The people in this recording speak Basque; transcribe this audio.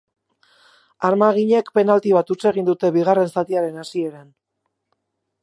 Armaginek penalti bat huts egin dute bigarren zatiaren hasieran.